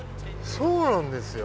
そうなんですよ！